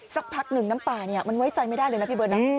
สักพักหนึ่งน้ำป่าเนี่ยมันไว้ใจไม่ได้เลยนะพี่เบิร์ตนะ